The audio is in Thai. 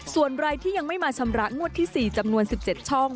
ส่วนรายที่ยังไม่มาชำระงวดที่๔จำนวน๑๗ช่อง